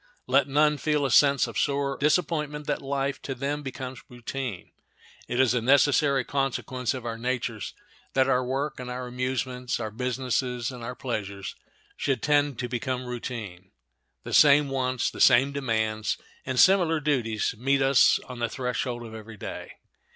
Let none feel a sense of sore disappointment that life to them becomes routine. It is a necessary consequence of our natures that our work and our amusements, our business and our pleasures, should tend to become routine. The same wants, the same demands, and similar duties meet us on the threshold of every day.